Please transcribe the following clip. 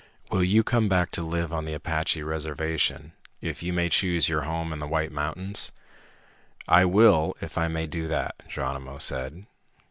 "Will you come back to live on the Apache reservation if you may choose your home in the White Mountains?" "I will if I may do that," Geronimo said.